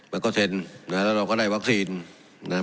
มันก็เซ็นนะฮะแล้วเราก็ได้วัคซีนนะฮะ